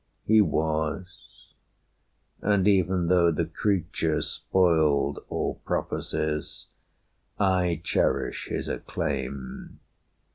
He was. And even though the creature spoiled All prophecies, I cherish his acclaim.